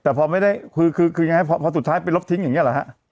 แต่พอไม่ได้คือคือยังไงพอสุดท้ายไปลบทิ้งอย่างนี้เหรอฮะ